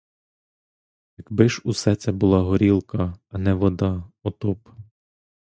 Якби ж усе це була горілка, а не вода, ото б!